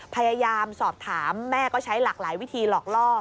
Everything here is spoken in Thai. พยายามสอบถามแม่ก็ใช้หลากหลายวิธีหลอกล่อ